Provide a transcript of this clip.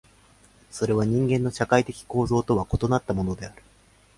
それは人間の社会的構造とは異なったものである。